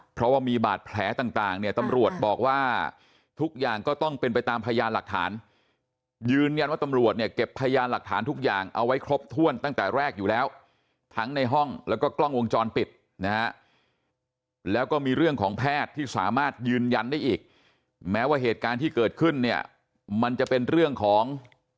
เพราะว่ามีบาดแผลต่างเนี่ยตำรวจบอกว่าทุกอย่างก็ต้องเป็นไปตามพยานหลักฐานยืนยันว่าตำรวจเนี่ยเก็บพยานหลักฐานทุกอย่างเอาไว้ครบถ้วนตั้งแต่แรกอยู่แล้วทั้งในห้องแล้วก็กล้องวงจรปิดนะฮะแล้วก็มีเรื่องของแพทย์ที่สามารถยืนยันได้อีกแม้ว่าเหตุการณ์ที่เกิดขึ้นเนี่ยมันจะเป็นเรื่องของ